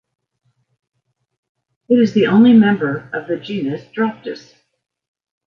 It is the only member of the genus "Deroptyus".